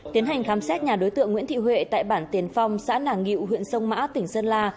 tiến hành khám xét nhà đối tượng nguyễn thị huệ tại bản tiền phong xã nàng nghị huyện sông mã tỉnh sơn la